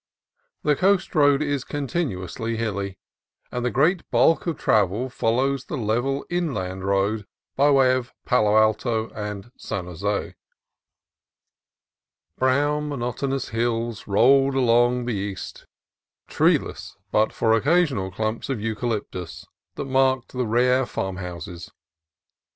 The coast road is continuously hilly, and the great bulk of travel follows the level inland road by way of Palo Alto and San Jose. Brown, monotonous hills rolled along on the east, treeless but for occasional clumps of eucalyptus that marked the rare farmhouses.